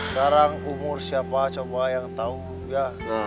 sekarang umur siapa coba yang tahu enggak